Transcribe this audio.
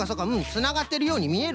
つながってるようにみえるな。